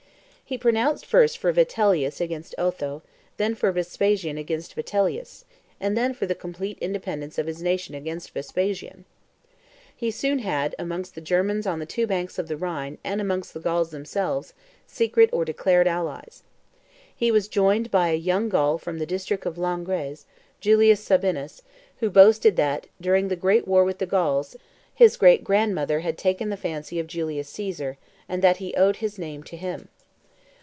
He pronounced first for Vitellius against Otho, then for Vespasian against Vitellius, and then for the complete independence of his nation against Vespasian. He soon had, amongst the Germans on the two banks of the Rhine and amongst the Gauls themselves, secret or declared allies. He was joined by a young Gaul from the district of Langres, Julius Sabinus, who boasted that, during the great war with the Gauls, his great grandmother had taken the fancy of Julius Caesar, and that he owed his name to him.